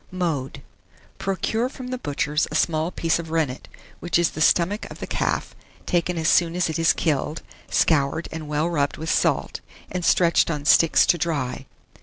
Mode. Procure from the butcher's a small piece of rennet, which is the stomach of the calf, taken as soon as it is killed, scoured, and well rubbed with salt, and stretched on sticks to dry.